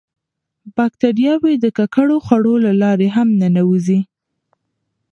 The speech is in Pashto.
باکتریاوې د ککړو خوړو له لارې هم ننوځي.